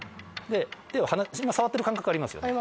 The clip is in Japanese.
今触ってる感覚ありますよね。